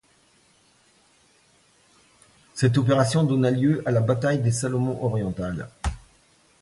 Cette opération donna lieu à la bataille des Salomon orientales.